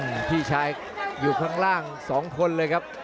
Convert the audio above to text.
ไม่ยอมผ่นครับพี่ชายอยู่ข้างล่าง๒คนเลยครับ